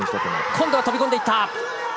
今度は飛び込んでいった！